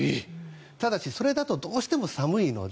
ただし、それだとどうしても寒いので。